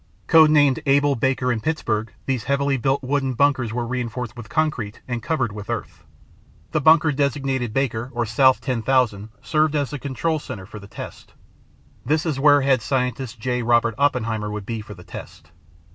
Code named Able, Baker, and Pittsburgh, these heavily built wooden bunkers were reinforced with concrete, and covered with earth. The bunker designated Baker or South 10,000 served as the control center for the test. This is where head scientist J. Robert Oppenheimer would be for the test.